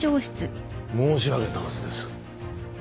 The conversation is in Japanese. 申し上げたはずです。